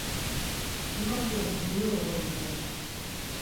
Pinokyos buyu oğodu doren.